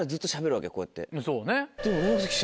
そうね。